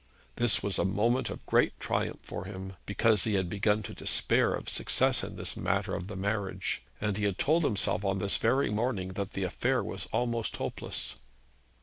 This was a moment of great triumph to him, because he had begun to despair of success in this matter of the marriage, and had told himself on this very morning that the affair was almost hopeless.